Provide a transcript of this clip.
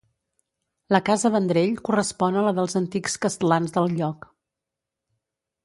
La casa Vendrell correspon a la dels antics castlans del lloc.